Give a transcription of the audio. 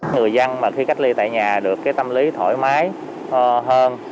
người dân khi cách ly tại nhà được tâm lý thoải mái hơn